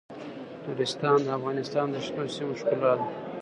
نورستان د افغانستان د شنو سیمو ښکلا ده.